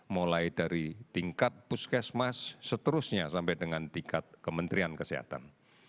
mulai dari tingkat puskesmas seterusnya sampai dengan tingkat kementerian kesehatan